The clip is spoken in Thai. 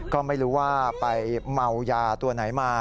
ก็ไม่รู้ว่าไปเมายาตัวไหนมา